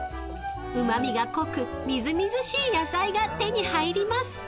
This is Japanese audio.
［うま味が濃くみずみずしい野菜が手に入ります］